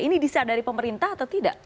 ini disadari pemerintah atau tidak